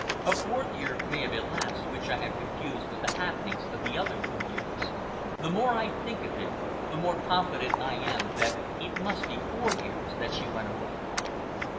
A fourth year may have elapsed, which I have confused with the happenings of the other three years. The more I think of it, the more confident I am that it must be four years that she was away.